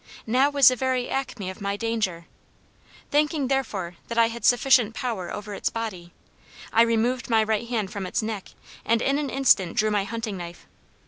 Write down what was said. Now was the very acme of my danger. Thinking, therefore, that I had sufficient power over its body, I removed my right hand from its neck, and in an instant drew my hunting knife.